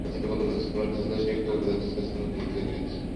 সতীশের বন্ধু অজিতকুমার যথার্থ শিক্ষকের পদে উচ্চ স্থান অধিকার করেছিলেন।